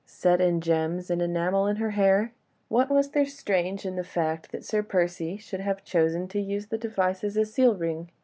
set in gems and enamel in her hair? What was there strange in the fact that Sir Percy should have chosen to use the device as a seal ring?